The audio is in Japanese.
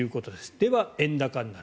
では、円高になる。